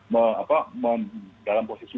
mau dalam posisi